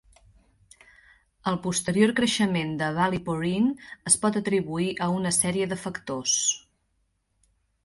El posterior creixement de Ballyporeen es pot atribuir a una sèrie de factors.